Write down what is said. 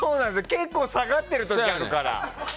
結構下がってる時あるから。